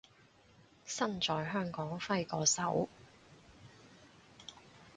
身在香港揮個手